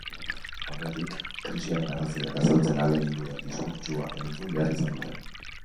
Aurretik, krisiaren arrazoiak azaltzen ahalegindu den diskurtsua entzun behar izan dute.